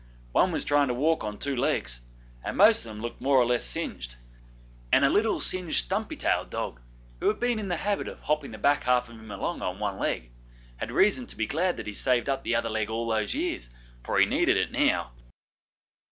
One was trying to walk on two legs, and most of 'em looked more or less singed; and a little, singed, stumpy tailed dog, who had been in the habit of hopping the back half of him along on one leg, had reason to be glad that he'd saved up the other leg all those years, for he needed it now.